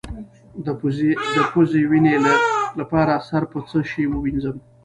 د پوزې وینې لپاره سر په څه شي ووینځم؟